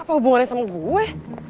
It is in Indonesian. apa hubungannya sama gue